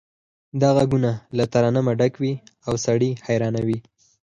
دا غږونه له ترنمه ډک وي او سړی حیرانوي